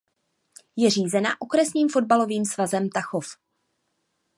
Je řízena Okresním fotbalovým svazem Tachov.